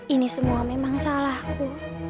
ini semua memang salahku